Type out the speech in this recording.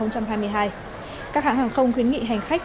các hãng hàng không khuyến nghị hành khách